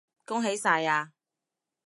恭喜晒呀